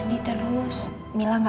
mas sekian dulu engga tinggal